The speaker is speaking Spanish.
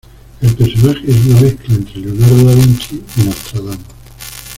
El personaje es una mezcla entre Leonardo Da Vinci y Nostradamus.